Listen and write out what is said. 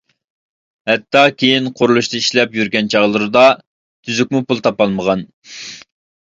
ھەتتا كېيىن قۇرۇلۇشتا ئىشلەپ يۈرگەن چاغلىرىدا تۈزۈكمۇ پۇل تاپالمىغان.